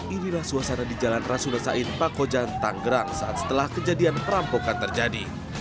inilah suasana di jalan rasulah sain pakojan tanggerang saat setelah kejadian perampokan terjadi